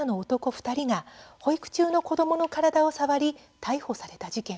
２人が保育中の子どもの体を触り逮捕された事件。